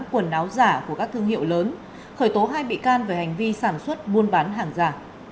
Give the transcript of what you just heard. quần áo giả của các thương hiệu lớn khởi tố hai bị can về hành vi sản xuất buôn bán hàng giả